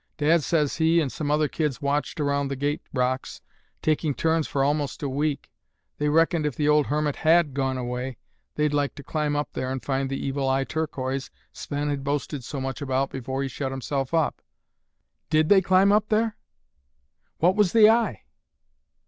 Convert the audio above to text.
Dad says he and some other kids watched around the gate rocks, taking turns for almost a week. They reckoned if the old hermit had gone away, they'd like to climb up there and find the Evil Eye Turquoise Sven had boasted so much about before he shut himself up." "Did they climb up there?" "What was the eye?"